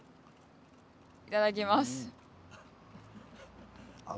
いただきます。